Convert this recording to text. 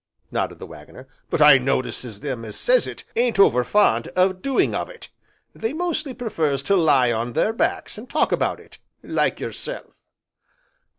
nodded the Waggoner. "But I notice as them as says it, ain't over fond o' doing of it, they mostly prefers to lie on their backs, an' talk about it, like yourself."